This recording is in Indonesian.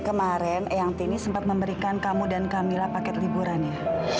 kemarin eyang tini sempat memberikan kamu dan kamila paket liburan ya